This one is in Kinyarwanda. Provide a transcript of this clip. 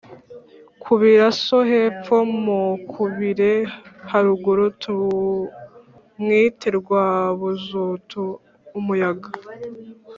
Kubira so hepfo mukubire haruguru tumwite Rwabuzutu-Umuyaga.